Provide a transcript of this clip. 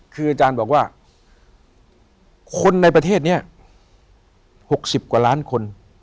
คืออาจารย์บอกว่าคนในประเทศนี้๖๐กว่าล้านคน